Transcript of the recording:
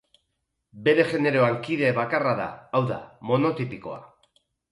Bere generoan kide bakarra da, hau da monotipikoa.